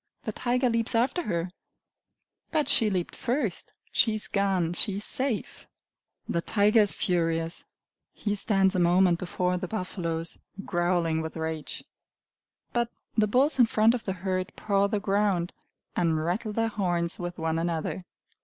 The tiger leaps after her but she leaped first! She is gone! She is safe! [Illustration: The Buffaloes and the Blue Deer] The tiger is furious. He stands a moment before the buffaloes, growling with rage. But the bulls in front of the herd paw the ground, and rattle their horns with one another.